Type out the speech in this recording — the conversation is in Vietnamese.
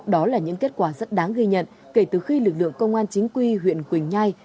đó là những kết quả rất đáng ghi nhận kể từ khi lực lượng công an chính quy huyện quỳnh nhai